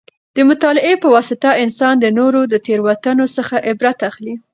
د مطالعې په واسطه انسان د نورو د تېروتنو څخه عبرت اخلي.